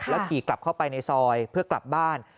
ขี่กลับเข้าไปในซอยเพื่อกลับบ้าน